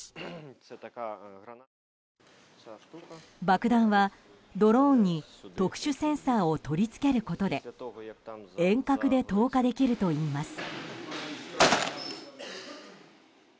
爆弾は、ドローンに特殊センサーを取り付けることで遠隔で投下できるといいます。